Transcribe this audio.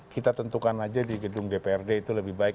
kita tentukan aja di gedung dprd itu lebih baik